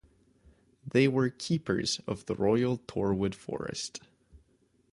They were keepers of the royal Torwood Forest.